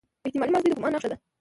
احتمالي ماضي د ګومان نخښه ده.